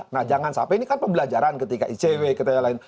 nah jangan sampai ini kan pembelajaran ketika icw ketika lain